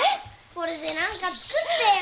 これで何か作ってよ。